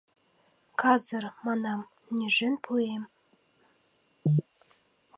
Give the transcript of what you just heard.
Казыр, манам, нӱжын пуэм...